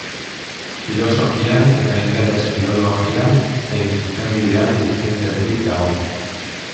Filosofian eta ingeles filologian zein zuzenbidean lizentziaturik dago.